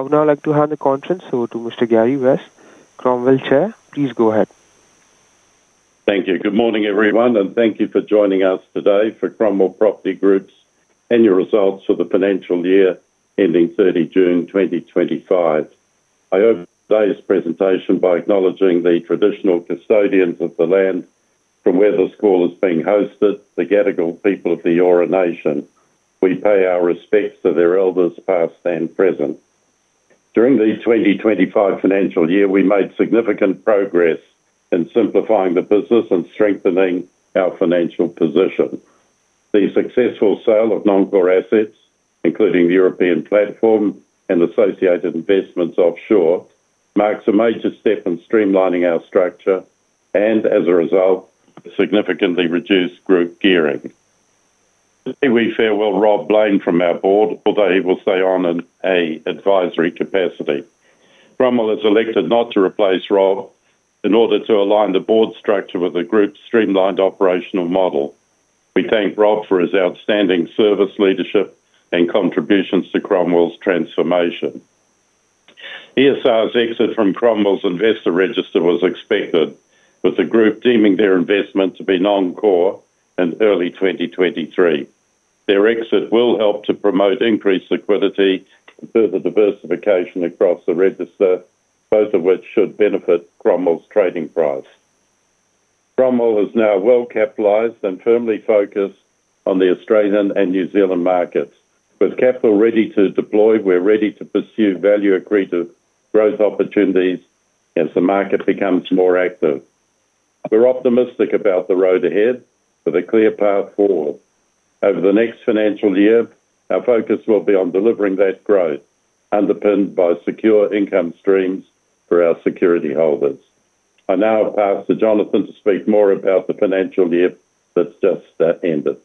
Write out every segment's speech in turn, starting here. I would now like to hand the conference over to Mr. Gary Weiss, Cromwell Chair. Please go ahead. Thank you. Good morning, everyone, and thank you for joining us today for Cromwell Property Group's Annual Results for the Financial Year Ending 30 June 2025. I open today's presentation by acknowledging the traditional custodians of the land from where the call is being hosted, the Gadigal people of the Eora Nation. We pay our respects to their elders past and present. During the 2025 financial year, we made significant progress in simplifying the business and strengthening our financial position. The successful sale of non-core assets, including the European platform and associated investments offshore, marks a major step in streamlining our structure and, as a result, significantly reduced group gearing. Today, we farewell Rob Blain from our board, although he will stay on in an advisory capacity. Cromwell has elected not to replace Rob in order to align the board structure with the group's streamlined operational model. We thank Rob for his outstanding service, leadership, and contributions to Cromwell's transformation. ESR's exit from Cromwell's investor register was expected, with the group deeming their investment to be non-core in early 2023. Their exit will help to promote increased liquidity and further diversification across the register, both of which should benefit Cromwell's trading price. Cromwell is now well-capitalized and firmly focused on the Australian and New Zealand markets. With capital ready to deploy, we're ready to pursue value-accretive growth opportunities as the market becomes more active. We're optimistic about the road ahead with a clear path forward. Over the next financial year, our focus will be on delivering that growth, underpinned by secure income streams for our security holders. I now pass to Jonathan to speak more about the financial year that's just ended.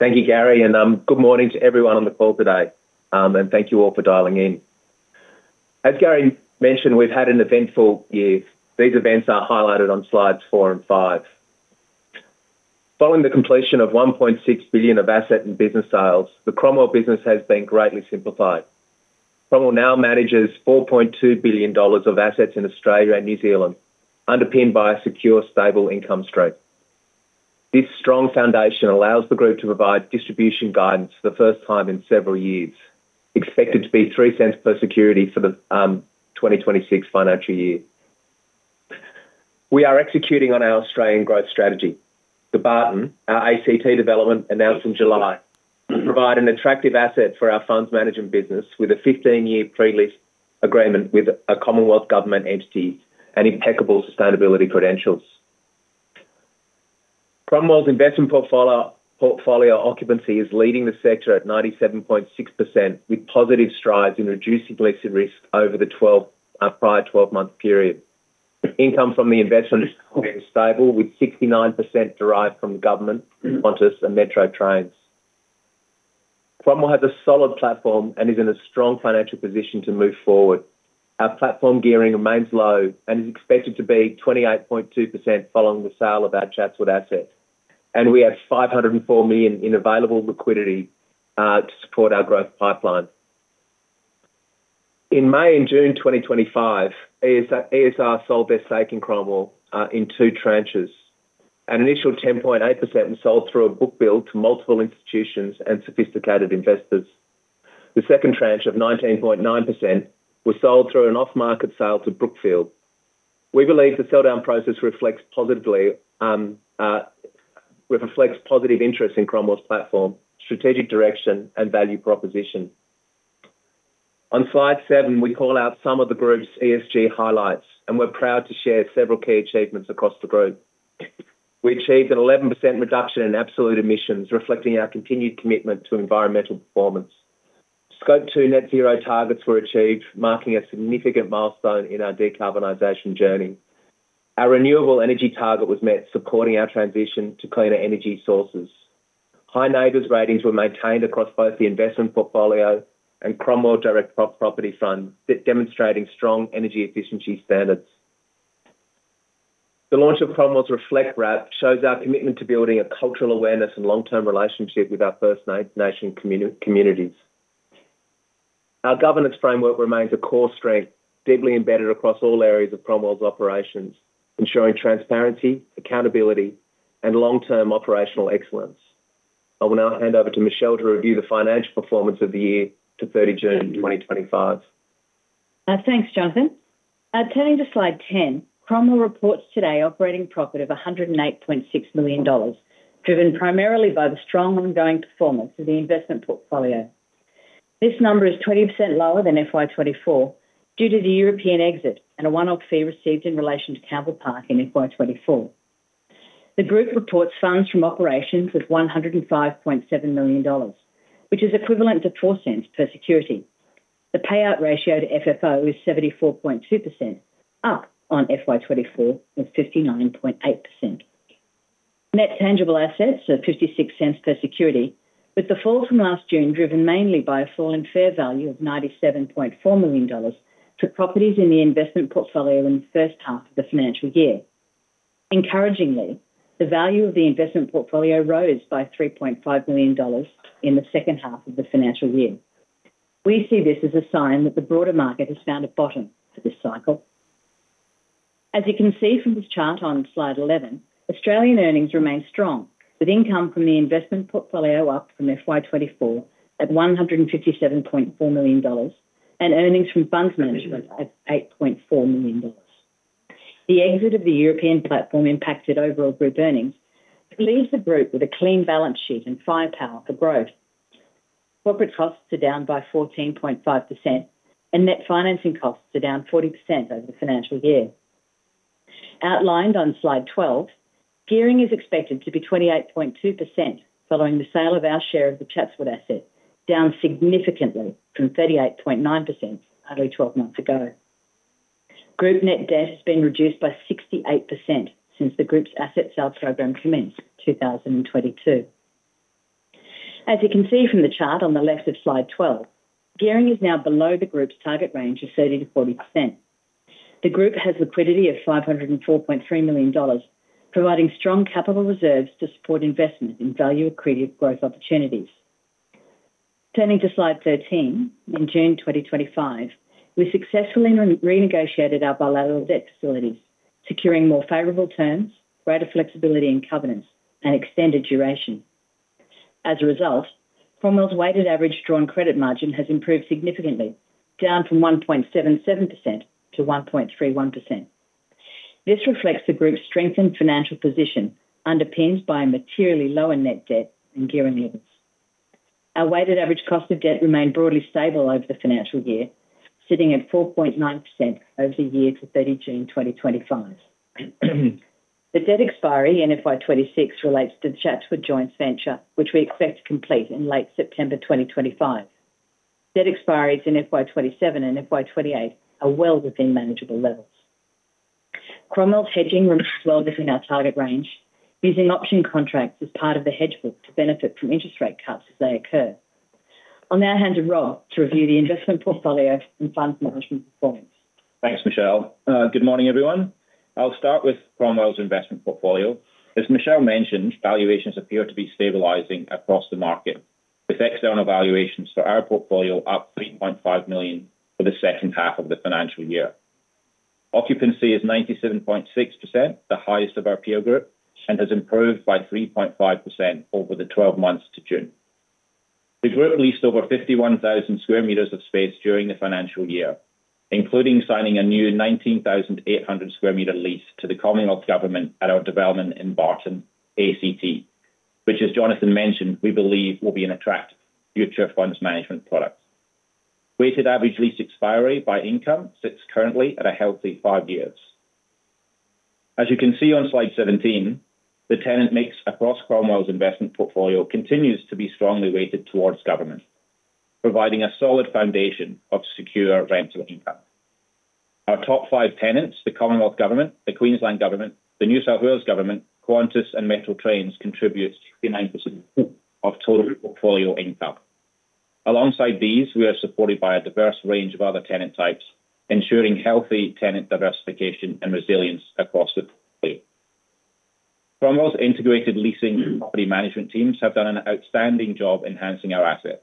Thank you, Gary, and good morning to everyone on the call today, and thank you all for dialing in. As Gary mentioned, we've had an eventful year. These events are highlighted on slides four and five. Following the completion of $1.6 billion of asset and business sales, the Cromwell business has been greatly simplified. Cromwell now manages $4.2 billion of assets in Australia and New Zealand, underpinned by a secure, stable income stream. This strong foundation allows the group to provide distribution guidance for the first time in several years, expected to be $0.03 per security for the 2026 financial year. We are executing on our Australian growth strategy. The Barton, our ACT development, announced in July, provides an attractive asset for our funds management business with a 15-year pre-lease agreement with a Commonwealth government entity and impeccable sustainability credentials. Cromwell's investment portfolio occupancy is leading the sector at 97.6%, with positive strides in reducing listed risk over the prior 12-month period. Income from the investment is stable, with 69% derived from government, Qantas, and Metro Trades. Cromwell has a solid platform and is in a strong financial position to move forward. Our platform gearing remains low and is expected to be 28.2% following the sale of our Chatswood asset. We have $504 million in available liquidity to support our growth pipeline. In May and June 2025, ESR sold their stake in Cromwell in two tranches. An initial 10.8% was sold through a book build to multiple institutions and sophisticated investors. The second tranche of 19.9% was sold through an off-market sale to Brookfield. We believe the sell-down process reflects positive interest in Cromwell's platform, strategic direction, and value proposition. On slide seven, we call out some of the group's ESG highlights, and we're proud to share several key achievements across the group. We achieved an 11% reduction in absolute emissions, reflecting our continued commitment to environmental performance. Scope two net zero targets were achieved, marking a significant milestone in our decarbonization journey. Our renewable energy target was met, supporting our transition to cleaner energy sources. High NABERS ratings were maintained across both the investment portfolio and Cromwell Direct Property Fund, demonstrating strong energy efficiency standards. The launch of Cromwell's Reflect RAP shows our commitment to building a cultural awareness and long-term relationship with our First Nation communities. Our governance framework remains a core strength, deeply embedded across all areas of Cromwell's operations, ensuring transparency, accountability, and long-term operational excellence. I will now hand over to Michelle to review the financial performance of the year to 30 June 2025. Thanks, Jonathan. Turning to slide 10, Cromwell reports today operating profit of $108.6 million, driven primarily by the strong ongoing performance of the investment portfolio. This number is 20% lower than FY24 due to the European exit and a one-off fee received in relation to Campbell Park in FY24. The group reports funds from operations of $105.7 million, which is equivalent to $0.04 per security. The payout ratio to FFO is 74.2%, up on FY24 of 59.8%. Net tangible assets are $0.56 per security, with the fall from last June driven mainly by a fall in fair value of $97.4 million to properties in the investment portfolio in the first half of the financial year. Encouragingly, the value of the investment portfolio rose by $3.5 million in the second half of the financial year. We see this as a sign that the broader market has found a bottom for this cycle. As you can see from this chart on slide 11, Australian earnings remain strong, with income from the investment portfolio up from FY24 at $157.4 million and earnings from funds management at $8.4 million. The exit of the European platform impacted overall group earnings, but it leaves the group with a clean balance sheet and firepower for growth. Corporate costs are down by 14.5%, and net financing costs are down 40% over the financial year. Outlined on slide 12, gearing is expected to be 28.2% following the sale of our share of the Chatswood asset, down significantly from 38.9% only 12 months ago. Group net debt has been reduced by 68% since the group's asset sales program commenced in 2022. As you can see from the chart on the left of slide 12, gearing is now below the group's target range of 30%-40%. The group has liquidity of $504.3 million, providing strong capital reserves to support investment in value-accretive growth opportunities. Turning to slide 13, in June 2025, we successfully renegotiated our bilateral debt facilities, securing more favorable terms, greater flexibility in covenants, and extended duration. As a result, Cromwell's weighted average drawn credit margin has improved significantly, down from 1.77% to 1.31%. This reflects the group's strengthened financial position, underpinned by a materially lower net debt and gearing limits. Our weighted average cost of debt remained broadly stable over the financial year, sitting at 4.9% over the year to 30 June 2025. The debt expiry in FY26 relates to the Chatswood Joint Venture, which we expect to complete in late September 2025.Debt expiry in FY27 and FY28 are well within manageable levels. Cromwell's hedging remains well within our target range, using option contracts as part of the hedge group to benefit from interest rate cuts as they occur. I'll now hand to Rob to review the investment portfolio and funds management performance. Thanks, Michelle. Good morning, everyone. I'll start with Cromwell's investment portfolio. As Michelle mentioned, valuations appear to be stabilizing across the market, with external valuations for our portfolio up $3.5 million for the second half of the financial year. Occupancy is 97.6%, the highest of our peer group, and has improved by 3.5% over the 12 months to June. The group leased over 51,000 square meters of space during the financial year, including signing a new 19,800 sq m lease to the Commonwealth Government and our development in Barton, ACT, which, as Jonathan mentioned, we believe will be an attractive future funds management product. Weighted average lease expiry by income sits currently at a healthy five years. As you can see on slide 17, the tenant mix across Cromwell's investment portfolio continues to be strongly weighted towards government, providing a solid foundation of secure rental income. Our top five tenants, the Commonwealth Government, the Queensland Government, the New South Wales Government, Qantas, and Metro Trades contribute 69% of total portfolio income. Alongside these, we are supported by a diverse range of other tenant types, ensuring healthy tenant diversification and resilience across the portfolio. Cromwell's integrated leasing and property management teams have done an outstanding job enhancing our assets.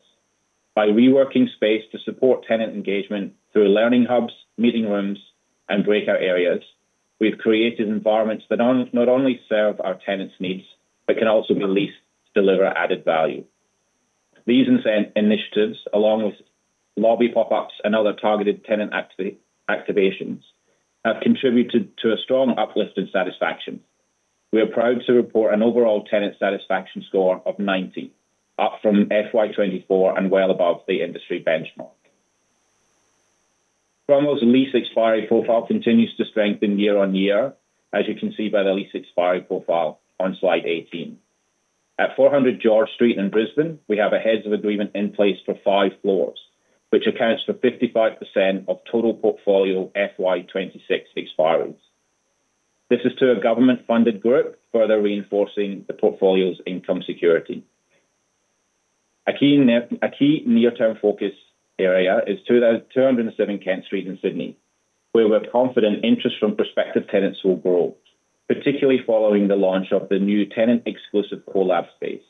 By reworking space to support tenant engagement through learning hubs, meeting rooms, and breakout areas, we've created environments that not only serve our tenants' needs, but can also be leased to deliver added value. These initiatives, along with lobby pop-ups and other targeted tenant activations, have contributed to a strong uplift in satisfaction. We are proud to report an overall tenant satisfaction score of 90, up from FY24 and well above the industry benchmark. Cromwell's lease expiry profile continues to strengthen year-on-year, as you can see by the lease expiry profile on slide 18. At 400 George Street in Brisbane, we have a heads of agreement in place for five floors, which accounts for 55% of total portfolio FY26 expires. This is to a government-funded group, further reinforcing the portfolio's income security. A key near-term focus area is 207 Kent Street in Sydney, where we're confident interest from prospective tenants will grow, particularly following the launch of the new tenant-exclusive co-lab space.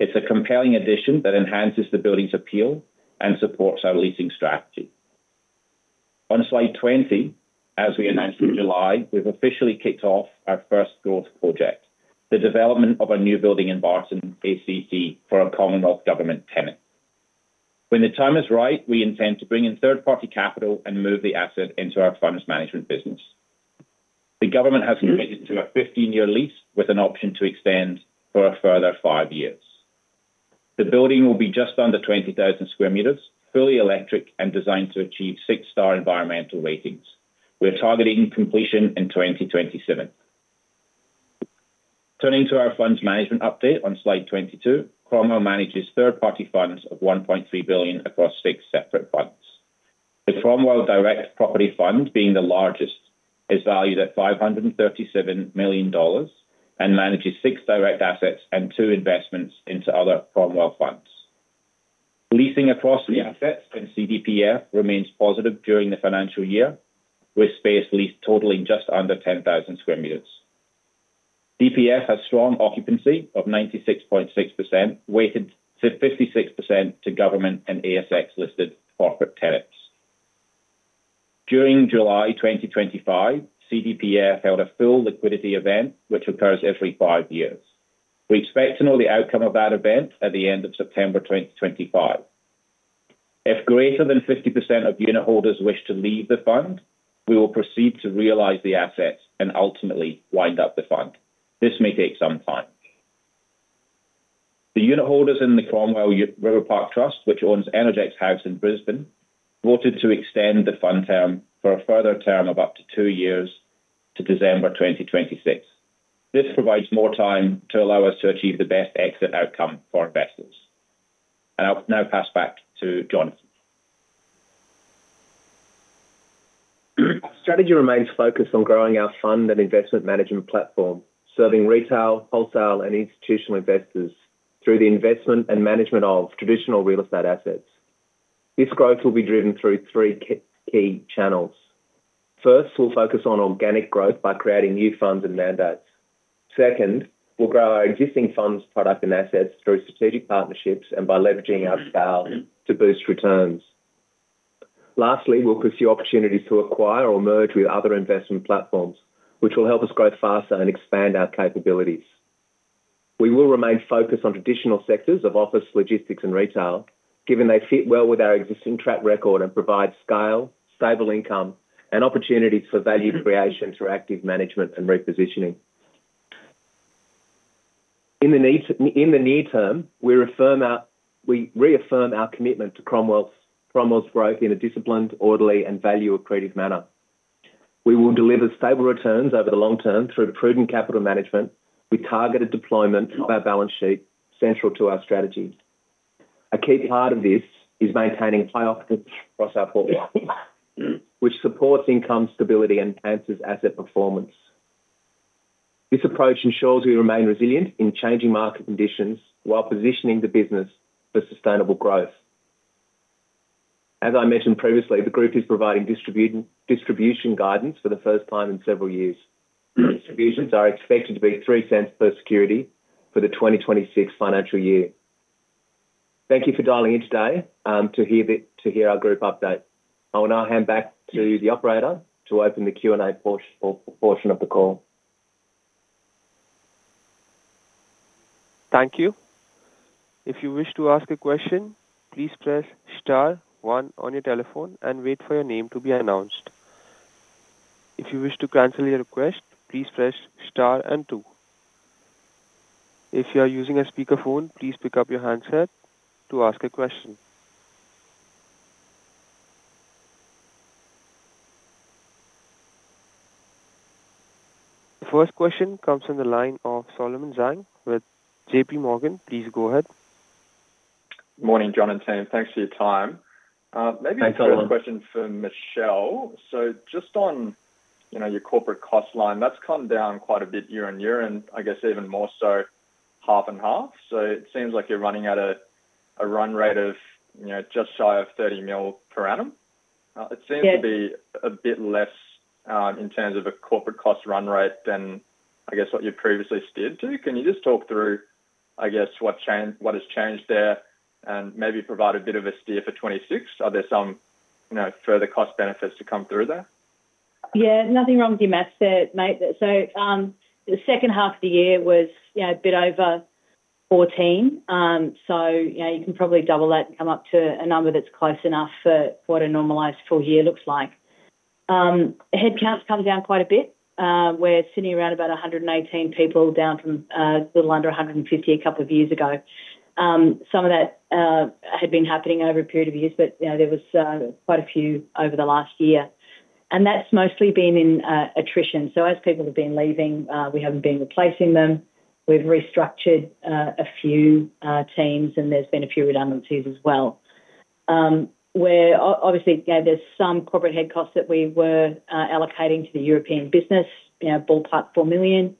It's a compelling addition that enhances the building's appeal and supports our leasing strategy. On slide 20, as we announced in July, we've officially kicked off our first growth project, the development of a new building in Barton, ACT, for a Commonwealth Government tenant. When the time is right, we intend to bring in third-party capital and move the asset into our funds management business. The government has committed to a 15-year lease with an option to extend for a further five years. The building will be just under 20,000 sq m, fully electric, and designed to achieve six-star environmental ratings. We're targeting completion in 2027. Turning to our funds management update on slide 22, Cromwell manages third-party funds of $1.3 billion across six separate funds. The Cromwell Direct Property Fund, being the largest, is valued at $537 million and manages six direct assets and two investments into other Cromwell funds. Leasing across the assets and CDPF remains positive during the financial year, with space leased totaling just under 10,000 sq m. CDPF has strong occupancy of 96.6%, weighted to 56% to government and ASX-listed corporate tenants. During July 2025, CDPF held a full liquidity event, which occurs every five years. We expect to know the outcome of that event at the end of September 2025. If greater than 50% of unit holders wish to leave the fund, we will proceed to realize the assets and ultimately wind up the fund. This may take some time. The unit holders in the Cromwell Riverpark Trust, which owns Energex House in Brisbane, voted to extend the fund term for a further term of up to two years to December 2026. This provides more time to allow us to achieve the best exit outcome for investors. I'll now pass back to Jonathan. Our strategy remains focused on growing our fund and investment management platform, serving retail, wholesale, and institutional investors through the investment and management of traditional real estate assets. This growth will be driven through three key channels. First, we'll focus on organic growth by creating new funds and mandates. Second, we'll grow our existing funds, product, and assets through strategic partnerships and by leveraging our scale to boost returns. Lastly, we'll pursue opportunities to acquire or merge with other investment platforms, which will help us grow faster and expand our capabilities. We will remain focused on traditional sectors of office, logistics, and retail, given they fit well with our existing track record and provide scale, stable income, and opportunities for value creation through active management and repositioning. In the near term, we reaffirm our commitment to Cromwell's growth in a disciplined, orderly, and value-accretive manner. We will deliver stable returns over the long term through prudent capital management, with targeted deployment of our balance sheet central to our strategy. A key part of this is maintaining high occupancy across our ports, which supports income stability and enhances asset performance. This approach ensures we remain resilient in changing market conditions while positioning the business for sustainable growth. As I mentioned previously, the group is providing distribution guidance for the first time in several years. Distributions are expected to be $0.03 per security for the 2026 financial year. Thank you for dialing in today to hear our group update. I will now hand back to the operator to open the Q&A portion of the call. Thank you. If you wish to ask a question, please press star one on your telephone and wait for your name to be announced. If you wish to cancel your request, please press star and two. If you are using a speakerphone, please pick up your handset to ask a question. The first question comes from the line of Solomon Zhang with JPMorgan. Please go ahead. Morning, Jonathan. Thanks for your time. Maybe a follow-up question for Michelle. Just on your corporate cost line, that's come down quite a bit year-on-year, and I guess even more so half and half. It seems like you're running at a run rate of just shy of $30 million per annum. It seems to be a bit less in terms of a corporate cost run rate than what you previously did do. Can you just talk through what has changed there and maybe provide a bit of a steer for 2026? Are there some further cost benefits to come through there? Yeah, nothing wrong with your maths there, mate. The second half of the year was a bit over $14 million. You can probably double that and come up to a number that's close enough for what a normalized full year looks like. Headcount's come down quite a bit. We're sitting around about 118 people, down from a little under 150 a couple of years ago. Some of that had been happening over a period of years, but there was quite a few over the last year. That's mostly been in attrition. As people have been leaving, we haven't been replacing them. We've restructured a few teams, and there's been a few redundancies as well. We're obviously, you know, there's some corporate head costs that we were allocating to the European business, ballpark $4 million,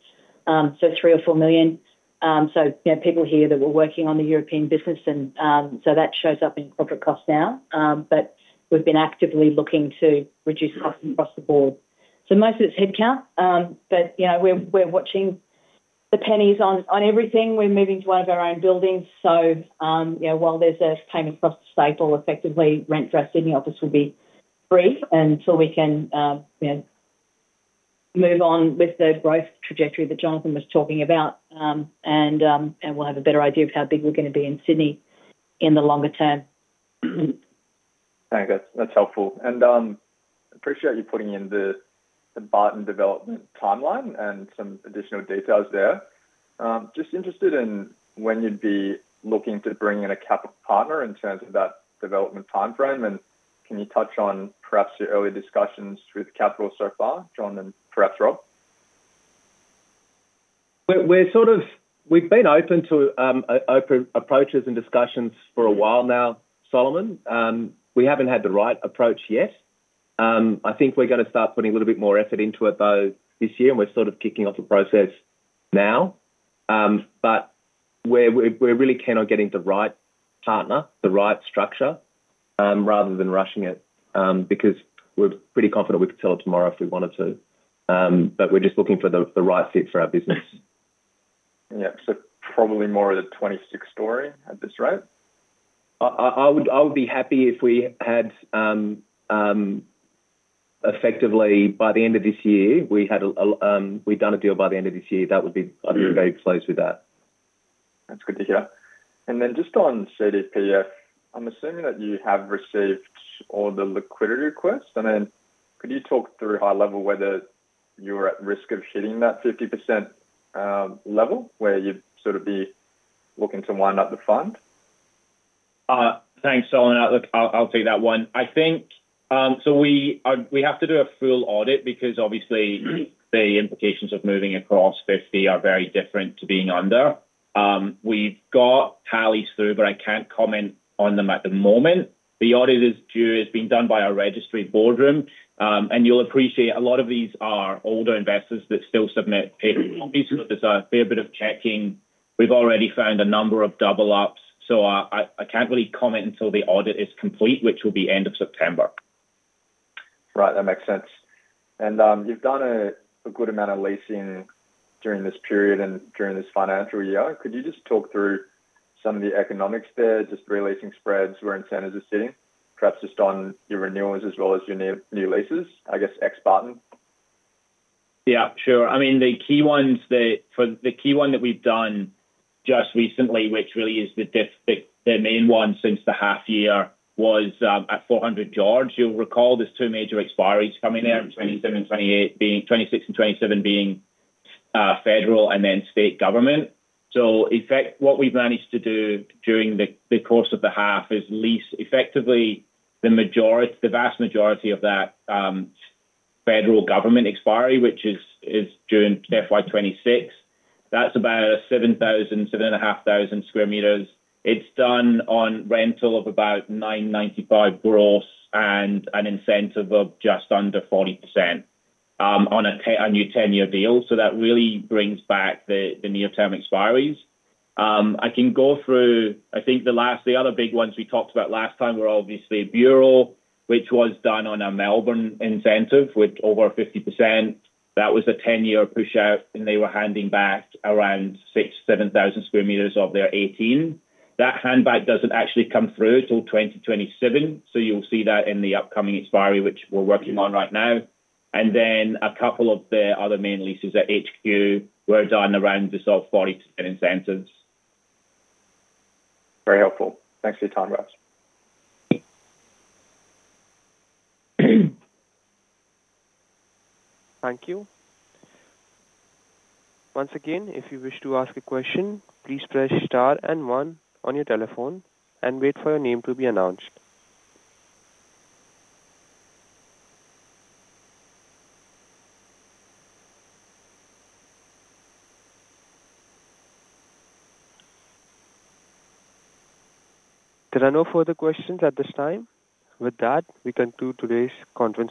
so $3 million or $4 million. People here that were working on the European business, and that shows up in corporate costs now. We've been actively looking to reduce costs across the board. Most of it's headcount, but we're watching the pennies on everything. We're moving to one of our own buildings. While there's a payment cost staple, effectively, rent for us in the office will be free until we can move on with the growth trajectory that Jonathan was talking about, and we'll have a better idea of how big we're going to be in Sydney in the longer term. Thanks. That's helpful. I appreciate you putting in The Barton development timeline and some additional details there. I'm just interested in when you'd be looking to bring in a capital partner in terms of that development timeframe. Can you touch on perhaps your early discussions with capital so far, Jonathan, and perhaps Rob? We've been open to approaches and discussions for a while now, Solomon. We haven't had the right approach yet. I think we're going to start putting a little bit more effort into it this year, and we're kicking off a process now. We're really keen on getting the right partner, the right structure, rather than rushing it, because we're pretty confident we could sell it tomorrow if we wanted to. We're just looking for the right fit for our business. Yeah, probably more of the 26 story at this rate. I would be happy if we had, effectively by the end of this year, we'd done a deal by the end of this year. That would be, I'd be very close with that. That's good to hear. Just on CDPF, I'm assuming that you have received all the liquidity requests. Could you talk through high level whether you're at risk of hitting that 50% level where you'd sort of be looking to wind up the fund? Thanks, Solomon. I'll take that one. We have to do a full audit because obviously the implications of moving across this fee are very different to being under. We've got tallies through, but I can't comment on them at the moment. The audit is being done by our registry Boardroom, and you'll appreciate a lot of these are older investors that still submit paper copies. There's a fair bit of checking. We've already found a number of double ups. I can't really comment until the audit is complete, which will be end of September. Right, that makes sense. You've done a good amount of leasing during this period and during this financial year. Could you just talk through some of the economics there, just releasing spreads, where incentives are sitting, perhaps just on your renewals as well as your new leases, I guess ex-The Barton? Yeah, sure. The key one that we've done just recently, which really is the main one since the half year, was at 400 George. You'll recall there's two major expiry coming there, 2026 and 2027, being federal and then state government. In fact, what we've managed to do during the course of the half is lease effectively the vast majority of that federal government expiry, which is during FY2026. That's about 7,000 sq m, 7.,500 sq m. It's done on rental of about $9.95 growth and an incentive of just under 40% on a new 10-year deal. That really brings back the near-term expiry. I can go through, I think the last, the other big ones we talked about last time were obviously Bureau, which was done on a Melbourne incentive with over 50%. That was a 10-year push out and they were handing back around 6,000 sq m, 7,000 sq m of their 18. That handback doesn't actually come through till 2027. You'll see that in the upcoming expiry, which we're working on right now. A couple of the other main leases at HQ were done around this 40% incentives. Very helpful. Thanks for your time, guys. Thank you. Once again, if you wish to ask a question, please press star and one on your telephone and wait for your name to be announced. There are no further questions at this time. With that, we conclude today's conference.